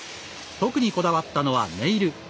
特に、こだわったのはネイル。